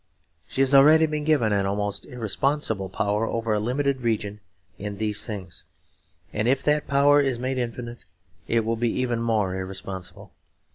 She has already been given an almost irresponsible power over a limited region in these things; and if that power is made infinite it will be even more irresponsible.